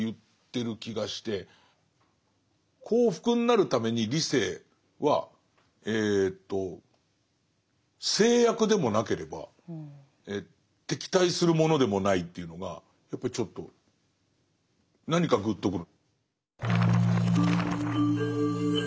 幸福になるために理性は制約でもなければ敵対するものでもないというのがやっぱりちょっと何かぐっとくる。